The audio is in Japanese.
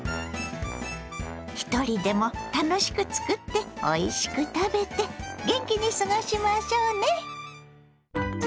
ひとりでも楽しく作っておいしく食べて元気に過ごしましょうね。